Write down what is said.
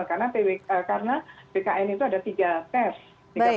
karena bkn itu ada tiga tes